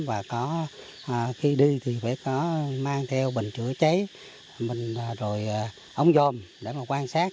và khi đi thì phải có mang theo bình chữa tráy bình rồi ống dồm để mà quan sát